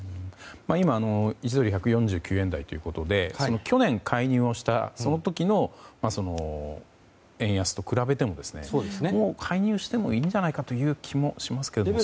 今、１ドル＝１４９円台ということで去年、介入をしたその時の円安と比べてももう介入してもいいのではという気がしますが。